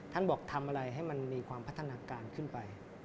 บอกทำอะไรให้มันมีความพัฒนาการขึ้นไป